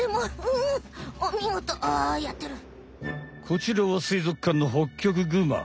こちらは水族館のホッキョクグマ。